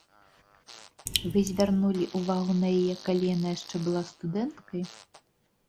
Вы звярнулі ўвагу на яе, калі яна яшчэ была студэнткай?